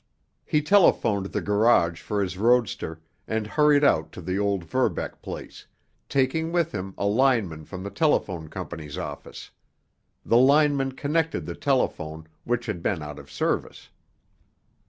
He telephoned the garage for his roadster, and hurried out to the old Verbeck place, taking with him a lineman from the telephone company's office. The lineman connected the telephone, which had been out of service.